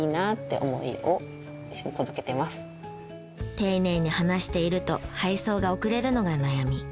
丁寧に話していると配送が遅れるのが悩み。